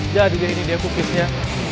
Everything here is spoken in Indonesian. jadi dia ini dia cookiesnya